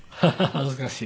恥ずかしい。